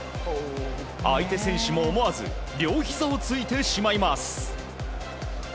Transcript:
相手選手も思わず両ひざをついてしまいます。